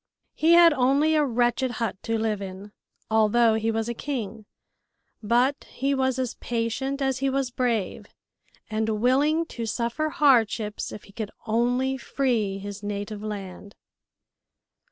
He had only a wretched hut to live in, although he was a king, but he was as patient as he was brave, and willing to suffer hardships if he could only free his native land.